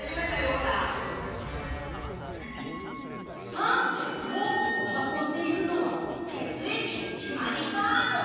酸素や養分を運んでいるのは血液で決まりダロ！